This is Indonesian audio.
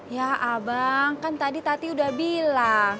ya abang kan tadi tati udah bilang